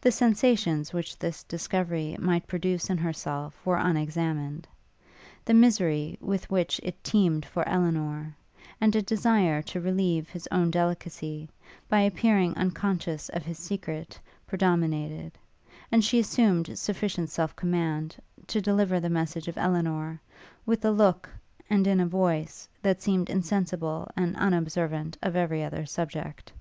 The sensations which this discovery might produce in herself were unexamined: the misery with which it teemed for Elinor, and a desire to relieve his own delicacy, by appearing unconscious of his secret, predominated: and she assumed sufficient self command, to deliver the message of Elinor, with a look, and in a voice, that seemed insensible and unobservant of every other subject.